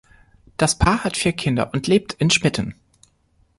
Das Paar hat vier Kinder und lebt in Schmitten.